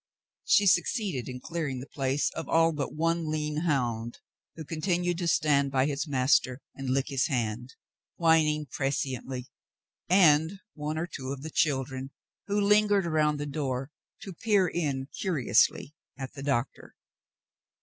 She succeeded in clearing the place of all but one lean hound, who continued to stand by his master and lick his hand, whining presciently, and one or two of the children, who lingered around the door to peer in cu riously at the doctor.